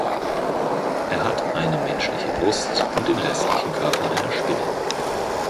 Er hat eine menschliche Brust und den restlichen Körper einer Spinne.